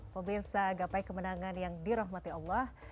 pemirsa gapai kemenangan yang dirahmati allah